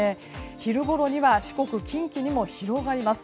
昼ごろには四国、近畿にも広がります。